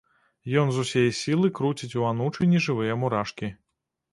Ён з усяе сілы круціць у анучы нежывыя мурашкі.